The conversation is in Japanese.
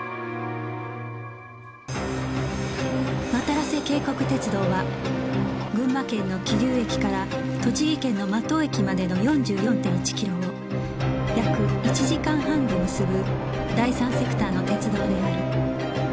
わたらせ渓谷鉄道は群馬県の桐生駅から栃木県の間藤駅までの ４４．１ キロを約１時間半で結ぶ第三セクターの鉄道である